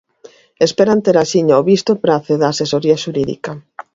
Esperan ter axiña o visto e prace da asesoría xurídica.